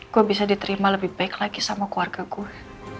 gue bisa diterima lebih baik lagi sama keluarga gue